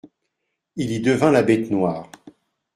Il y devint la bête noire.